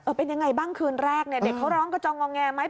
เป็นยังไงบ้างคืนแรกเนี่ยเด็กเขาร้องกระจองงองแงไหม